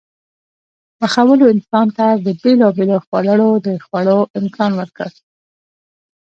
پخولو انسان ته د بېلابېلو خوړو د خوړلو امکان ورکړ.